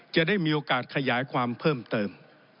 จะได้มีโอกาสขยายความเพิ่มเติม